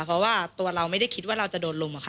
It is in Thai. เพราะว่าตัวเราไม่ได้คิดว่าเราจะโดนลุมค่ะ